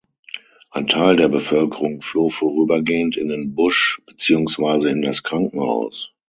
Ein Teil der Bevölkerung floh vorübergehend in den Busch beziehungsweise in das Krankenhaus.